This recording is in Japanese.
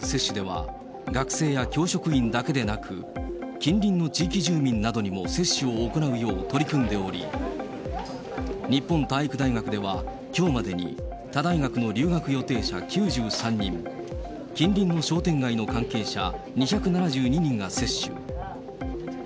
大学拠点接種では、学生や教職員だけでなく、近隣の地域住民などにも接種を行うよう取り組んでおり、日本体育大学では、きょうまでに、他大学の留学予定者９３人、近隣の商店街の関係者２７２人が接種。